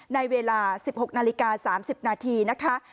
ในเวลา๑๖นาฬิกา๓๐นาทีนะคะ